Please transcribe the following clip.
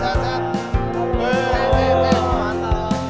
sehat sehat sehat